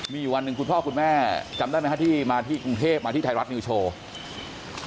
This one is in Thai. มีอยู่วันหนึ่งคุณพ่อคุณแม่จำได้ไหมฮะที่มาที่กรุงเทพมาที่ไทยรัฐนิวโชว์